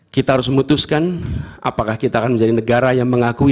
kita harus memutuskan apakah kita akan menjadi negara yang mengakui